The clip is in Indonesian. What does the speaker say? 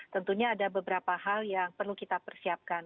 tentunya ada beberapa hal yang perlu kita persiapkan